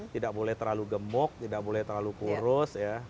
tidak boleh terlalu gemuk tidak boleh terlalu kurus ya